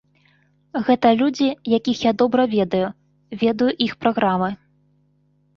Гэта людзі, якіх я добра ведаю, ведаю іх праграмы.